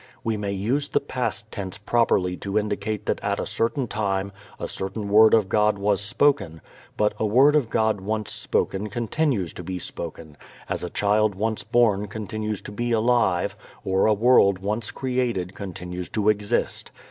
We may use the past tense properly to indicate that at a certain time a certain word of God was spoken, but a word of God once spoken continues to be spoken, as a child once born continues to be alive, or a world once created continues to exist.